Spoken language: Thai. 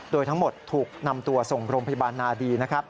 โดยทั้งหมดถูกนำตัวส่งโรงพยาบาลนาดีนะครับ